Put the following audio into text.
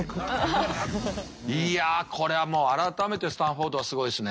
いやこれはもう改めてスタンフォードはすごいですね。